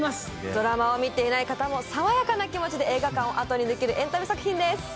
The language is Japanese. ドラマを見ていない方も爽やかな気持ちで映画館を後にできるエンタメ作品です。